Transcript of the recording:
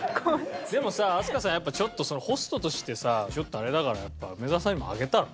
でもさ飛鳥さんやっぱちょっとホストとしてさちょっとあれだからやっぱ梅澤さんにもあげたら？